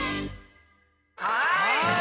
はい！